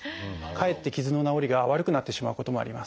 かえって傷の治りが悪くなってしまうこともあります。